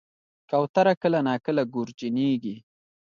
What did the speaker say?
کوتره کله ناکله ګورجنیږي.